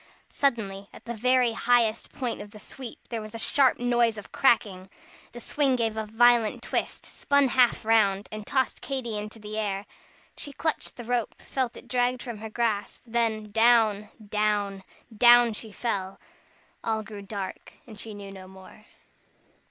Suddenly, at the very highest point of the sweep, there was a sharp noise of cracking. The swing gave a violent twist, spun half round, and tossed Katy into the air. She clutched the rope, felt it dragged from her grasp, then, down, down down she fell. All grew dark, and she knew no more.